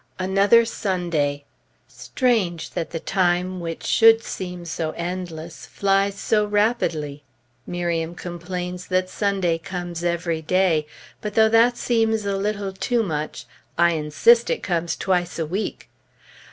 Another Sunday. Strange that the time, which should seem so endless, flies so rapidly! Miriam complains that Sunday comes every day; but though that seems a little too much, I insist that it comes twice a week.